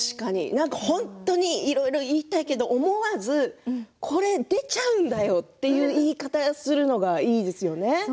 本当にいろいろ言いたいけど思わずこれ出ちゃうんだよという言い方をするのがいいですよね。